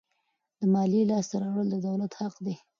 د مالیې لاسته راوړل د دولت حق دی.